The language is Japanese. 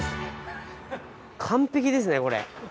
完璧ですねこれ。